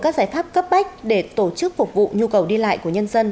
các giải pháp cấp bách để tổ chức phục vụ nhu cầu đi lại của nhân dân